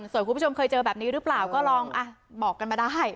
ส่วนคุณผู้ชมเคยเจอแบบนี้หรือเปล่าก็ลองบอกกันมาได้